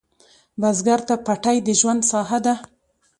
بزګر ته پټی د ژوند ساحه ده